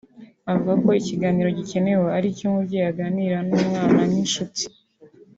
Avuga ko ikiganiro gikenewe ari icyo umubyeyi aganira n’umwana nk’inshuti